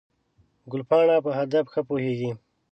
ګلپاڼه په هدف ښه پوهېږي.